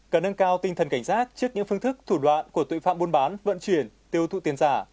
cần nâng cao tinh thần cảnh giác trước những phương thức thủ đoạn của tội phạm buôn bán vận chuyển tiêu thụ tiền giả